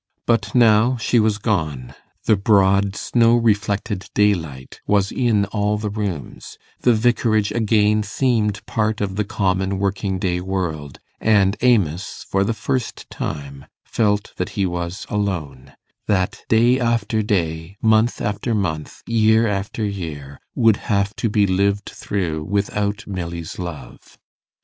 But now she was gone; the broad snow reflected daylight was in all the rooms; the Vicarage again seemed part of the common working day world, and Amos, for the first time, felt that he was alone that day after day, month after month, year after year, would have to be lived through without Milly's love.